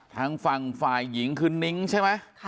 ทางฝั่งฝ่ายหญิงคือนิ้งใช่ไหม